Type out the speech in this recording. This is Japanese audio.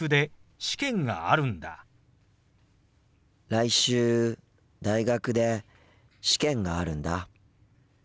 来週大学で試験があるんだ。